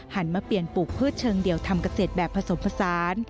มาเปลี่ยนปลูกพืชเชิงเดี่ยวทำเกษตรแบบผสมผสาน